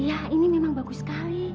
ya ini memang bagus sekali